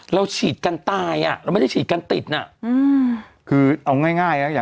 เราฉีดกันตายเราไม่ได้ฉีดกันติดคือเอาง่าย